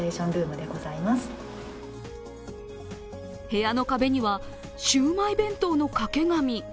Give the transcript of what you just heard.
部屋の壁にはシウマイ弁当の掛け紙。